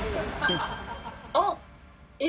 あっえ？